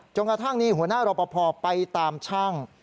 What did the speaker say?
กระทั่งมีหัวหน้ารอปภไปตามช่าง